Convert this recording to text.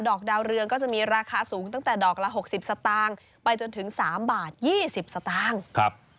อกดาวเรืองก็จะมีราคาสูงตั้งแต่ดอกละหกสิบสตางค์ไปจนถึงสามบาทยี่สิบสตางค์ครับ